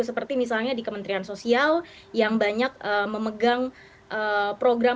seperti misalnya di kementerian sosial yang banyak memegang program